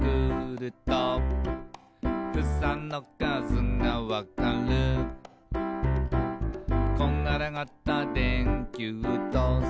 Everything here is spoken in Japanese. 「ふさのかずがわかる」「こんがらがったでんきゅうどうせん」